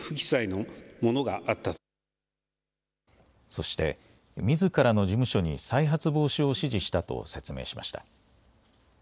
そして、みずからの事務所に再発防止を指示したと説明しました。